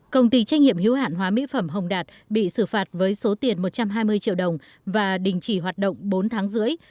công ty trách nhiệm hiếu hạn hóa mỹ phẩm hồng đạt bị xử phạt với số tiền một trăm hai mươi triệu đồng và đình chỉ hoạt động bốn tháng rưỡi